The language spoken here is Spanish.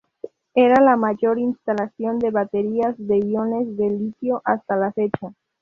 Era la mayor instalación de baterías de iones de litio hasta la fecha.